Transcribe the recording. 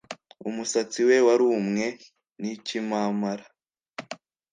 Umusatsi we warumwe n'ikimamara